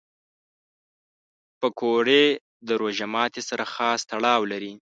پکورې د روژه ماتي سره خاص تړاو لري